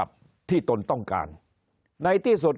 คนในวงการสื่อ๓๐องค์กร